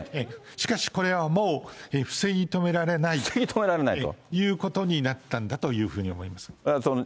しかしこれはもう、防ぎ止められないということになったんだと思います。